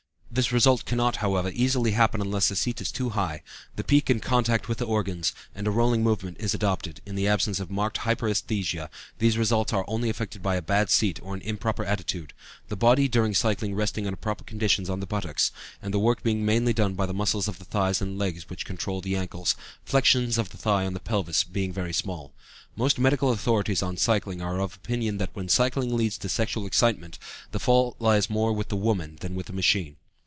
This result cannot, however, easily happen unless the seat is too high, the peak in contact with the organs, and a rolling movement is adopted; in the absence of marked hyperæsthesia these results are only effected by a bad seat or an improper attitude, the body during cycling resting under proper conditions on the buttocks, and the work being mainly done by the muscles of the thighs and legs which control the ankles, flexion of the thigh on the pelvis being very small. Most medical authorities on cycling are of opinion that when cycling leads to sexual excitement the fault lies more with the woman than with the machine.